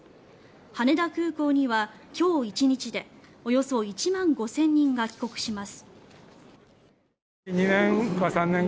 羽田空港には今日１日でおよそ１万５０００人が帰国します。